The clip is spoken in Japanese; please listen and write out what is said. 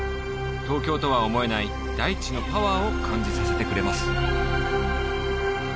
東京とは思えない大地のパワーを感じさせてくれます